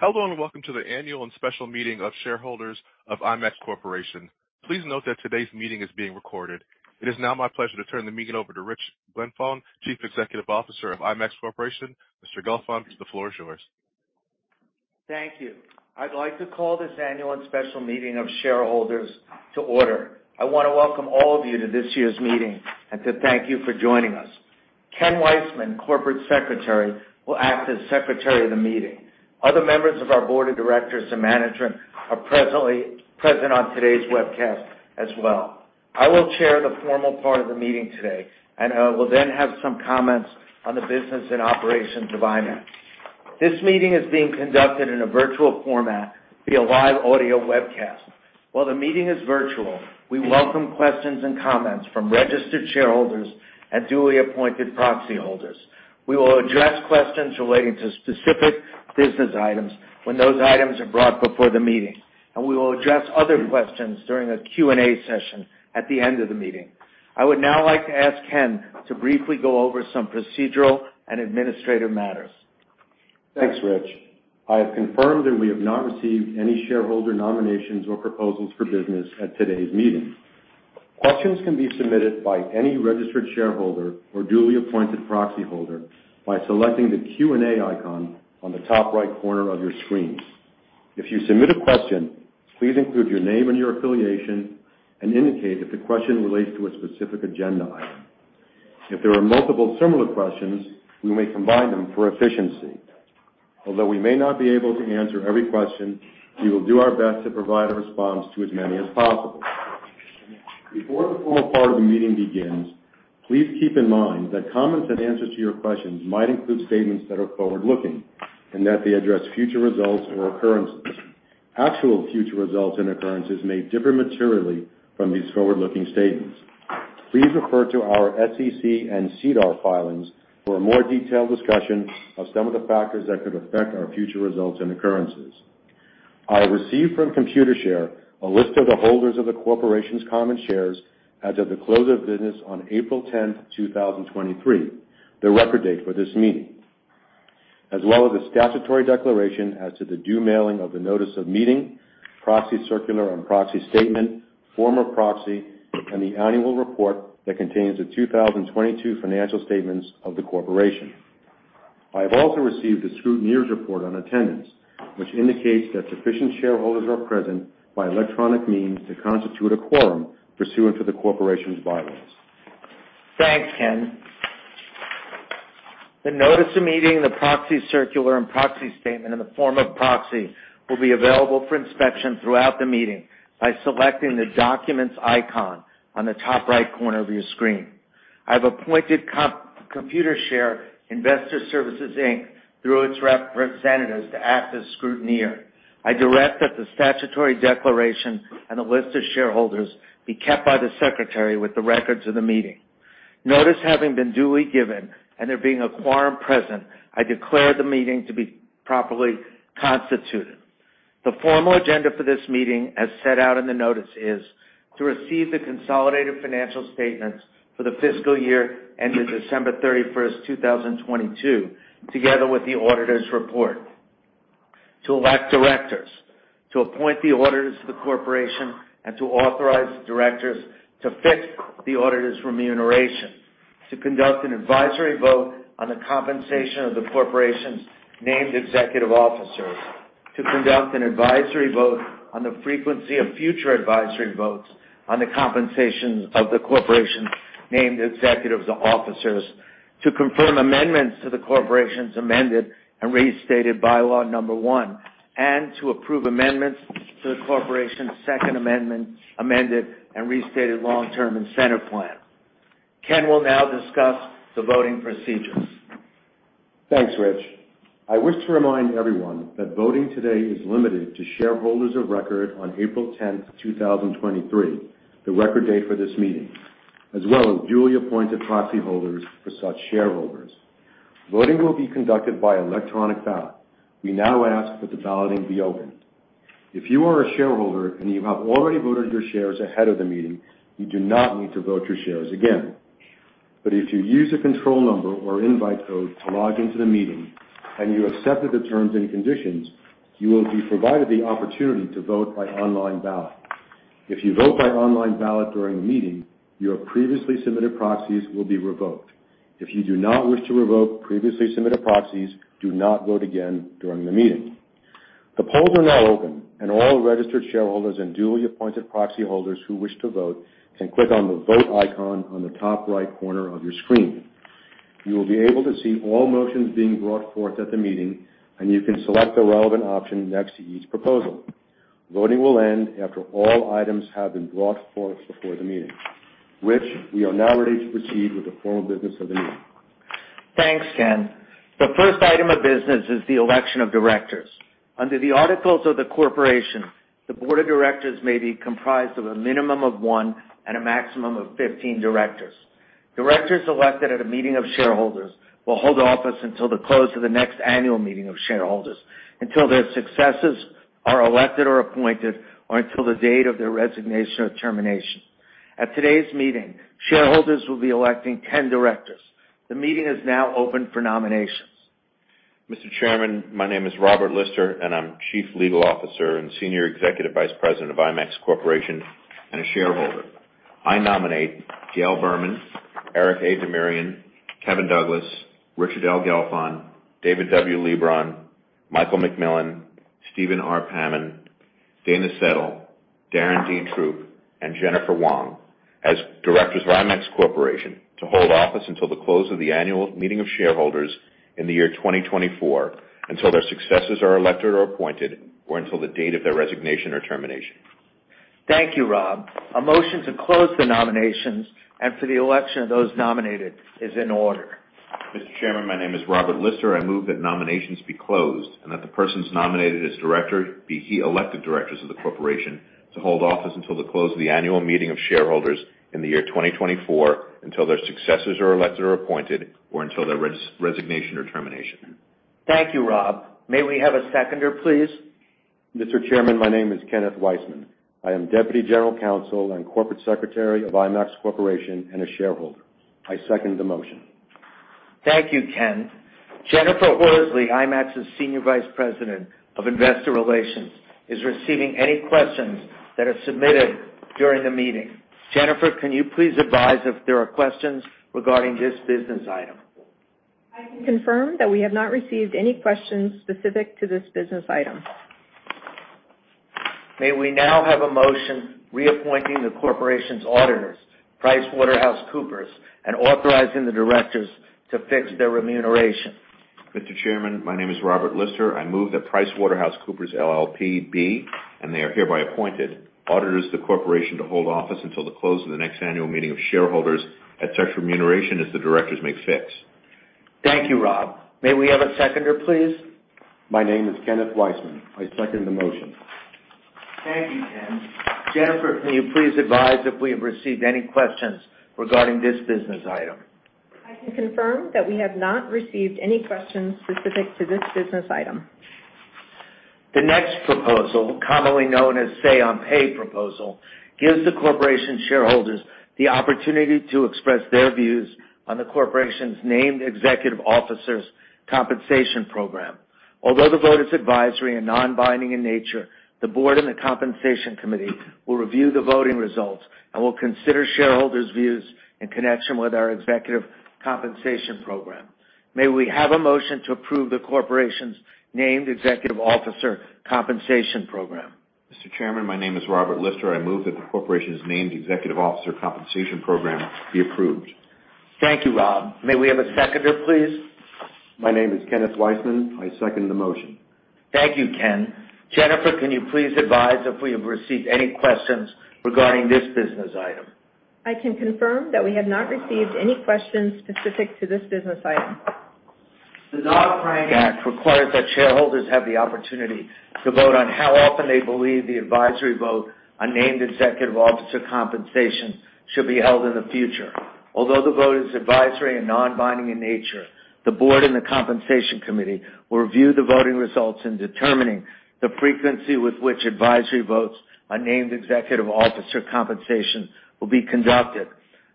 Hello, welcome to the annual and special meeting of shareholders of IMAX Corporation. Please note that today's meeting is being recorded. It is now my pleasure to turn the meeting over to Rich Gelfond, Chief Executive Officer of IMAX Corporation. Mr. Gelfond, the floor is yours. Thank you. I'd like to call this annual and special meeting of shareholders to order. I want to welcome all of you to this year's meeting and to thank you for joining us. Ken Weissman, Corporate Secretary, will act as secretary of the meeting. Other members of our board of directors and management are presently present on today's webcast as well. I will chair the formal part of the meeting today, and will then have some comments on the business and operations of IMAX. This meeting is being conducted in a virtual format via live audio webcast. While the meeting is virtual, we welcome questions and comments from registered shareholders and duly appointed proxy holders. We will address questions relating to specific business items when those items are brought before the meeting, and we will address other questions during a Q&A session at the end of the meeting. I would now like to ask Ken to briefly go over some procedural and administrative matters. Thanks, Rich. I have confirmed that we have not received any shareholder nominations or proposals for business at today's meeting. Questions can be submitted by any registered shareholder or duly appointed proxy holder by selecting the Q&A icon on the top right corner of your screens. If you submit a question, please include your name and your affiliation and indicate if the question relates to a specific agenda item. If there are multiple similar questions, we may combine them for efficiency. Although we may not be able to answer every question, we will do our best to provide a response to as many as possible. Before the formal part of the meeting begins, please keep in mind that comments and answers to your questions might include statements that are forward-looking and that they address future results or occurrences. Actual future results and occurrences may differ materially from these forward-looking statements. Please refer to our SEC and SEDAR filings for a more detailed discussion of some of the factors that could affect our future results and occurrences. I received from Computershare a list of the holders of the corporation's common shares as of the close of business on April 10, 2023, the record date for this meeting, as well as a statutory declaration as to the due mailing of the notice of meeting, proxy, circular and proxy statement, form of proxy, and the annual report that contains the 2022 financial statements of the corporation. I have also received a scrutineer's report on attendance, which indicates that sufficient shareholders are present by electronic means to constitute a quorum pursuant to the corporation's bylaws. Thanks, Ken. The notice of meeting, the proxy circular and proxy statement, and the form of proxy will be available for inspection throughout the meeting by selecting the documents icon on the top right corner of your screen. I've appointed Computershare Investor Services Inc. through its representatives to act as scrutineer. I direct that the statutory declaration and the list of shareholders be kept by the secretary with the records of the meeting. Notice having been duly given and there being a quorum present, I declare the meeting to be properly constituted. The formal agenda for this meeting, as set out in the notice, is to receive the consolidated financial statements for the fiscal year ending December 31st, 2022, together with the auditor's report. To elect directors. To appoint the auditors of the corporation and to authorize the directors to fix the auditors' remuneration. To conduct an advisory vote on the compensation of the corporation's named executive officers. To conduct an advisory vote on the frequency of future advisory votes on the compensation of the corporation's named executives or officers. To confirm amendments to the corporation's amended and restated bylaw number one. To approve amendments to the corporation's second amendment, amended, and restated long-term incentive plan. Ken will now discuss the voting procedures. Thanks, Rich. I wish to remind everyone that voting today is limited to shareholders of record on April 10, 2023, the record date for this meeting, as well as duly appointed proxy holders for such shareholders. Voting will be conducted by electronic ballot. We now ask that the balloting be opened. If you are a shareholder and you have already voted your shares ahead of the meeting, you do not need to vote your shares again. If you use a control number or invite code to log into the meeting and you accepted the terms and conditions, you will be provided the opportunity to vote by online ballot. If you vote by online ballot during the meeting, your previously submitted proxies will be revoked. If you do not wish to revoke previously submitted proxies, do not vote again during the meeting. The polls are now open, and all registered shareholders and duly appointed proxy holders who wish to vote can click on the Vote icon on the top right corner of your screen. You will be able to see all motions being brought forth at the meeting, and you can select the relevant option next to each proposal. Voting will end after all items have been brought forth before the meeting. Rich, we are now ready to proceed with the formal business of the meeting. Thanks, Ken. The first item of business is the election of directors. Under the articles of the corporation, the board of directors may be comprised of a minimum of one and a maximum of 15 directors. Directors elected at a meeting of shareholders will hold office until the close of the next annual meeting of shareholders, until their successors are elected or appointed, or until the date of their resignation or termination. At today's meeting, shareholders will be electing 10 directors. The meeting is now open for nominations. Mr. Chairman, my name is Robert Lister, and I'm Chief Legal Officer and Senior Executive Vice President of IMAX Corporation, and a shareholder. I nominate Gail Berman, Eric A. Demirian, Kevin Douglas, Richard L. Gelfond, David W. Leebron, Michael McMillan, Stephen R. Pamon, Dana Settle, Darren D. Throop, and Jennifer Wong as directors of IMAX Corporation to hold office until the close of the annual meeting of shareholders in the year 2024, until their successors are elected or appointed, or until the date of their resignation or termination. Thank you, Rob. A motion to close the nominations and for the election of those nominated is in order. Mr. Chairman, my name is Robert Lister. I move that nominations be closed and that the persons nominated as director be elected directors of the corporation to hold office until the close of the annual meeting of shareholders in the year 2024, until their successors are elected or appointed, or until their resignation or termination. Thank you, Rob. May we have a seconder, please? Mr. Chairman, my name is Kenneth Weissman. I am Deputy General Counsel and Corporate Secretary of IMAX Corporation and a shareholder. I second the motion. Thank you, Ken. Jennifer Horsley, IMAX's Senior Vice President of Investor Relations, is receiving any questions that are submitted during the meeting. Jennifer, can you please advise if there are questions regarding this business item? I can confirm that we have not received any questions specific to this business item. May we now have a motion reappointing the corporation's auditors, PricewaterhouseCoopers, and authorizing the directors to fix their remuneration? Mr. Chairman, my name is Robert Lister. I move that PricewaterhouseCoopers, LLP, be, and they are hereby appointed, auditors of the corporation to hold office until the close of the next annual meeting of shareholders at such remuneration as the directors may fix. Thank you, Rob. May we have a seconder, please? My name is Kenneth Weissman. I second the motion. Thank you, Ken. Jennifer, can you please advise if we have received any questions regarding this business item? I can confirm that we have not received any questions specific to this business item. The next proposal, commonly known as say-on-pay proposal, gives the corporation's shareholders the opportunity to express their views on the corporation's named executive officers' compensation program. Although the vote is advisory and non-binding in nature, the Board and the Compensation Committee will review the voting results and will consider shareholders' views in connection with our executive compensation program. May we have a motion to approve the corporation's named executive officer compensation program. Mr. Chairman, my name is Robert Lister. I move that the corporation's named executive officer compensation program be approved. Thank you, Rob. May we have a seconder, please? My name is Kenneth Weissman. I second the motion. Thank you, Ken. Jennifer, can you please advise if we have received any questions regarding this business item. I can confirm that we have not received any questions specific to this business item. The Dodd-Frank Act requires that shareholders have the opportunity to vote on how often they believe the advisory vote on named executive officer compensation should be held in the future. Although the vote is advisory and non-binding in nature, the board and the Compensation Committee will review the voting results in determining the frequency with which advisory votes on named executive officer compensation will be conducted.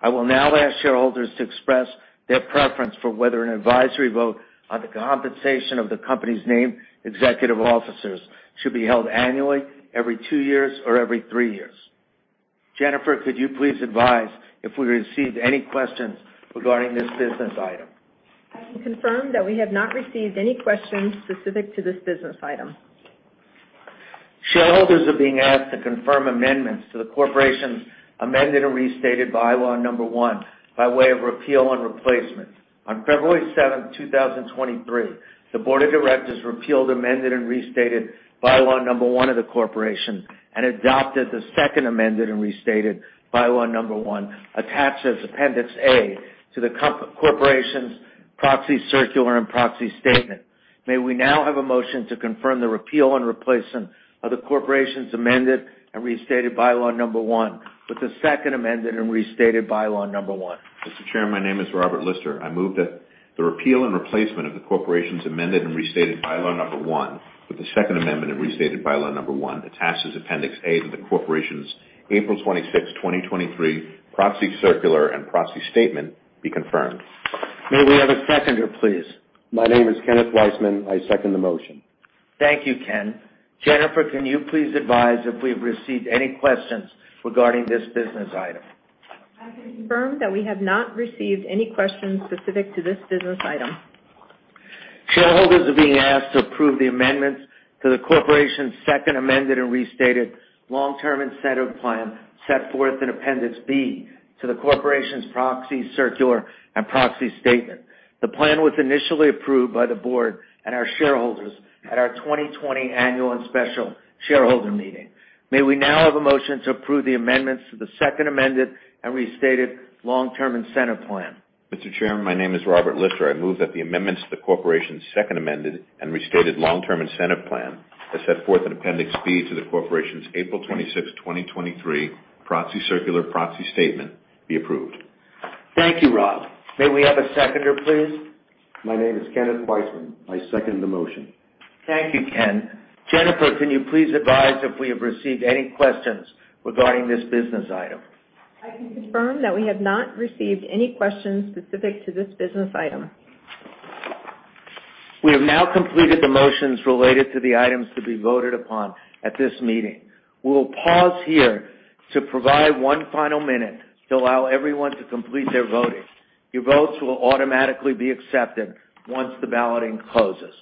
I will now ask shareholders to express their preference for whether an advisory vote on the compensation of the company's named executive officers should be held annually, every 2 years or every 3 years. Jennifer, could you please advise if we received any questions regarding this business item? I can confirm that we have not received any questions specific to this business item. Shareholders are being asked to confirm amendments to the corporation's amended and restated bylaw number one, by way of repeal and replacement. On February 7, 2023, the board of directors repealed, amended, and restated bylaw number one of the corporation and adopted the second amended and restated bylaw number one, attached as Appendix A to the corporation's proxy, circular and proxy statement. May we now have a motion to confirm the repeal and replacement of the corporation's amended and restated bylaw number one, with the second amended and restated bylaw number one. Mr. Chairman, my name is Robert Lister. I move that the repeal and replacement of the corporation's amended and restated bylaw number one, with the second amended and restated bylaw number one, attached as Appendix A to the corporation's April 26th, 2023 proxy, circular and proxy statement, be confirmed. May we have a seconder, please? My name is Kenneth Weissman. I second the motion. Thank you, Ken. Jennifer, can you please advise if we've received any questions regarding this business item? I can confirm that we have not received any questions specific to this business item. Shareholders are being asked to approve the amendments to the corporation's second amended and restated long-term incentive plan, set forth in Appendix B to the corporation's proxy, circular and proxy statement. The plan was initially approved by the board and our shareholders at our 2020 Annual and Special Shareholder Meeting. May we now have a motion to approve the amendments to the second amended and restated long-term incentive plan? Mr. Chairman, my name is Robert Lister. I move that the amendments to the corporation's Second Amended and Restated Long-Term Incentive Plan, as set forth in Appendix B to the corporation's April 26, 2023 proxy, circular proxy Statement, be approved. Thank you, Rob. May we have a seconder, please? My name is Kenneth Weissman. I second the motion. Thank you, Ken. Jennifer, can you please advise if we have received any questions regarding this business item? I can confirm that we have not received any questions specific to this business item. We have now completed the motions related to the items to be voted upon at this meeting. We will pause here to provide one final minute to allow everyone to complete their voting. Your votes will automatically be accepted once the balloting closes.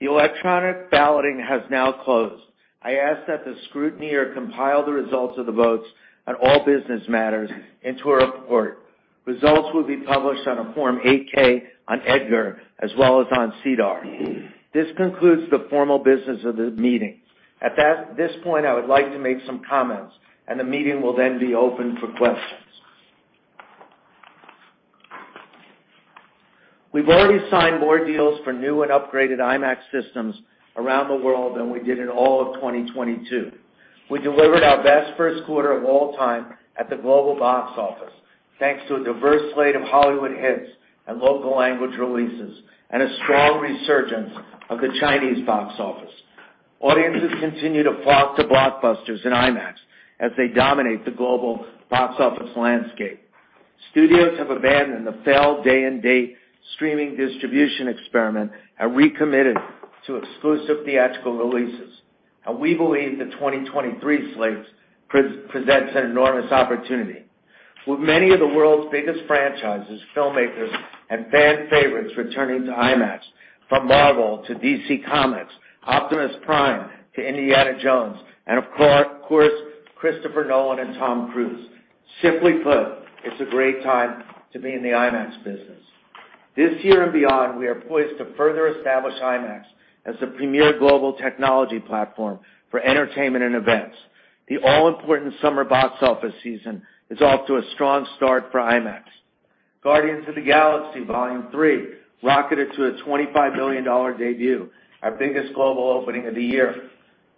The electronic balloting has now closed. I ask that the scrutineer compile the results of the votes on all business matters into a report. Results will be published on a Form 8-K on EDGAR as well as on SEDAR. This concludes the formal business of the meeting. At this point, I would like to make some comments. The meeting will then be open for questions. We've already signed more deals for new and upgraded IMAX systems around the world than we did in all of 2022. We delivered our best Q1 of all time at the global box office, thanks to a diverse slate of Hollywood hits and local language releases, and a strong resurgence of the Chinese box office. Audiences continue to flock to blockbusters in IMAX as they dominate the global box office landscape. Studios have abandoned the failed day-and-date streaming distribution experiment and recommitted to exclusive theatrical releases. We believe the 2023 slates presents an enormous opportunity, with many of the world's biggest franchises, filmmakers, and fan favorites returning to IMAX, from Marvel to DC Comics, Optimus Prime to Indiana Jones, and of course, Christopher Nolan and Tom Cruise. Simply put, it's a great time to be in the IMAX business. This year and beyond, we are poised to further establish IMAX as the premier global technology platform for entertainment and events. The all-important summer box office season is off to a strong start for IMAX. Guardians of the Galaxy Vol. 3 rocketed to a $25 million debut, our biggest global opening of the year.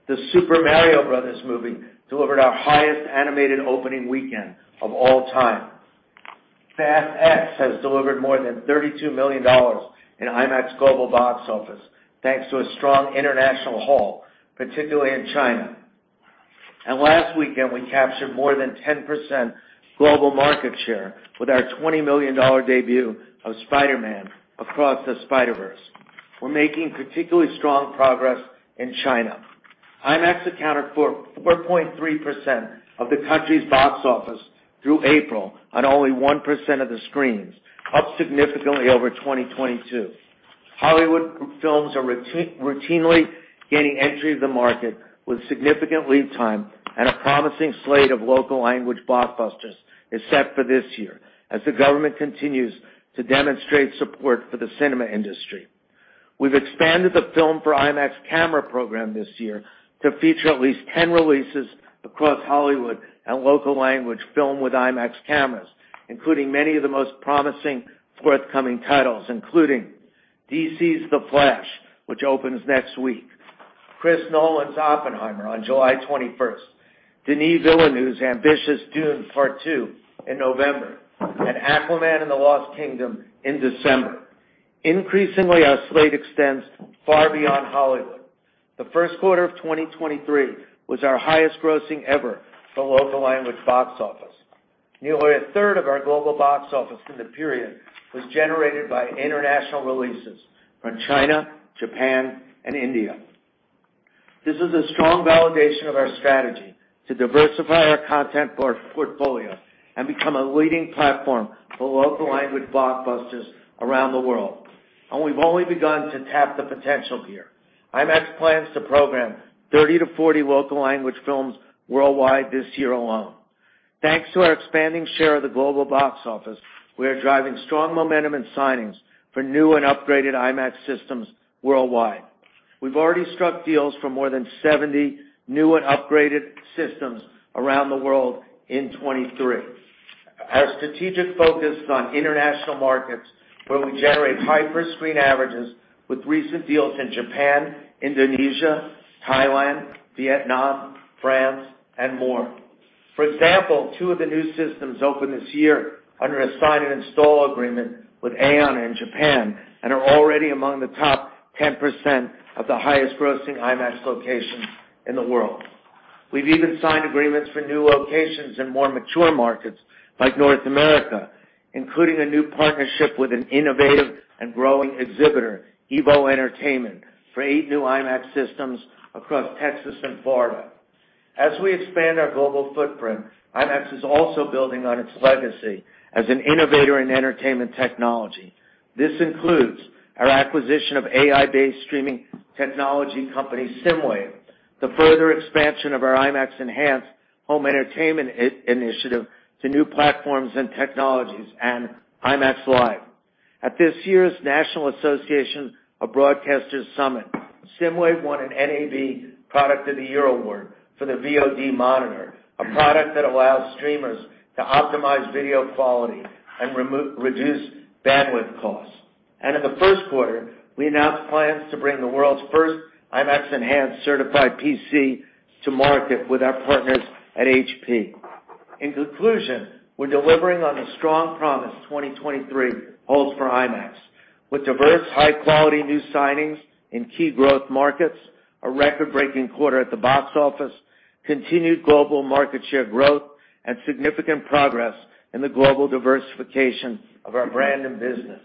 The Super Mario Bros. Movie delivered our highest animated opening weekend of all time. Fast X has delivered more than $32 million in IMAX global box office, thanks to a strong international haul, particularly in China. Last weekend, we captured more than 10% global market share with our $20 million debut of Spider-Man: Across the Spider-Verse. We're making particularly strong progress in China. IMAX accounted for 4.3% of the country's box office through April, on only 1% of the screens, up significantly over 2022. Hollywood films are routinely gaining entry to the market with significant lead time, a promising slate of local language blockbusters is set for this year as the government continues to demonstrate support for the cinema industry. We've expanded the film for IMAX camera program this year to feature at least 10 releases across Hollywood and local language film with IMAX cameras, including many of the most promising forthcoming titles, including DC's The Flash, which opens next week, Chris Nolan's Oppenheimer on July 21st, Denis Villeneuve's ambitious Dune: Part Two in November, and Aquaman and the Lost Kingdom in December. Increasingly, our slate extends far beyond Hollywood. The Q1 of 2023 was our highest grossing ever for local language box office. Nearly a third of our global box office in the period was generated by international releases from China, Japan, and India. This is a strong validation of our strategy to diversify our content portfolio and become a leading platform for local language blockbusters around the world. We've only begun to tap the potential here. IMAX plans to program 30 to 40 local language films worldwide this year alone. Thanks to our expanding share of the global box office, we are driving strong momentum and signings for new and upgraded IMAX systems worldwide. We've already struck deals for more than 70 new and upgraded systems around the world in 2023. Our strategic focus is on international markets, where we generate high per-screen averages with recent deals in Japan, Indonesia, Thailand, Vietnam, France, and more. For example two of the new systems opened this year under a sign and install agreement with AEON in Japan, and are already among the top 10% of the highest grossing IMAX locations in the world. We've even signed agreements for new locations in more mature markets like North America, including a new partnership with an innovative and growing exhibitor, EVO Entertainment, for eight new IMAX systems across Texas and Florida. As we expand our global footprint, IMAX is also building on its legacy as an innovator in entertainment technology. This includes our acquisition of AI-based streaming technology company, SSIMWAVE, the further expansion of our IMAX Enhanced home entertainment initiative to new platforms and technologies, and IMAX Live. At this year's National Association of Broadcasters Summit, SSIMWAVE won an NAB Product of the Year award for the VOD Monitor, a product that allows streamers to optimize video quality and reduce bandwidth costs. In the first quarter, we announced plans to bring the world's first IMAX Enhanced certified PC to market with our partners at HP. In conclusion, we're delivering on the strong promise 2023 holds for IMAX. With diverse, high-quality new signings in key growth markets, a record-breaking quarter at the box office, continued global market share growth, and significant progress in the global diversification of our brand and business.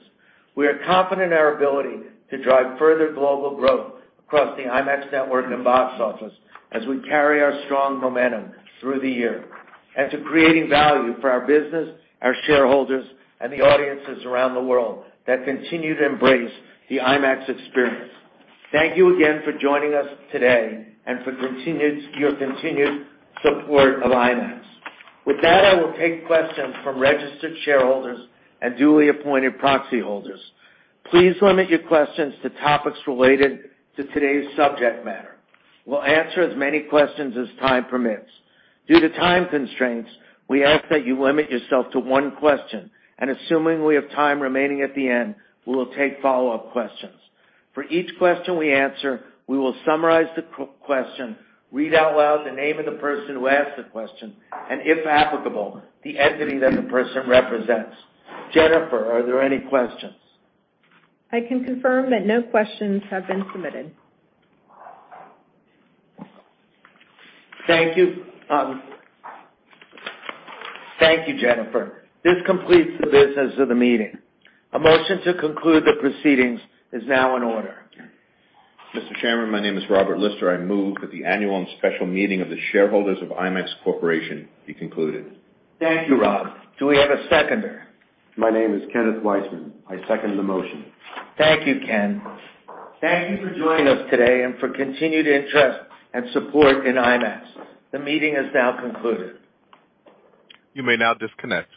We are confident in our ability to drive further global growth across the IMAX network and box office as we carry our strong momentum through the year, and to creating value for our business, our shareholders, and the audiences around the world that continue to embrace the IMAX experience. Thank you again for joining us today and for your continued support of IMAX. With that, I will take questions from registered shareholders and duly appointed proxy holders. Please limit your questions to topics related to today's subject matter. We'll answer as many questions as time permits. Due to time constraints, we ask that you limit yourself to one question, and assuming we have time remaining at the end, we will take follow-up questions. For each question we answer, we will summarize the question, read out loud the name of the person who asked the question, and if applicable, the entity that the person represents. Jennifer, are there any questions? I can confirm that no questions have been submitted. Thank you. Thank you, Jennifer. This completes the business of the meeting. A motion to conclude the proceedings is now in order. Mr. Chairman, my name is Robert Lister. I move that the annual and special meeting of the shareholders of IMAX Corporation be concluded. Thank you, Rob. Do we have a seconder? My name is Kenneth Weissman. I second the motion. Thank you, Ken. Thank you for joining us today and for continued interest and support in IMAX. The meeting is now concluded. You may now disconnect.